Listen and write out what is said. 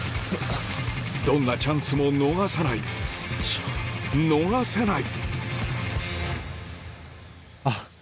どんなチャンスも逃さない逃せない